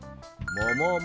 ももも！